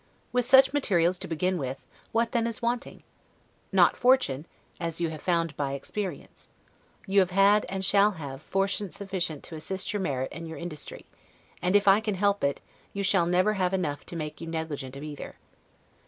With such materials to begin with, what then is wanting! Not fortune, as you have found by experience. You have had, and shall have, fortune sufficient to assist your merit and your industry; and if I can help it, you never shall have enough to make you negligent of either.